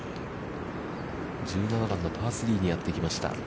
１７番のパー３にやってきました。